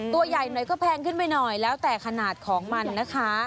ตัวใหญ่หน่อยก็แพงขึ้นไปหน่อยแล้วแต่ขนาดของมันนะคะ